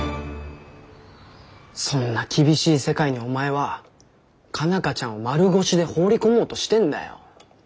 そんな厳しい世界にお前は佳奈花ちゃんを丸腰で放り込もうとしてんだよ。